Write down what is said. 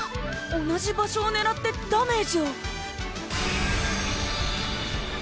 同じ場所をねらってダメージを！